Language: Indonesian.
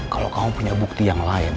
kalau kamu punya bukti yang lain